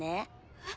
えっ？